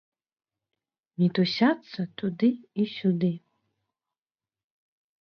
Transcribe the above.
Мітусяцца туды і сюды.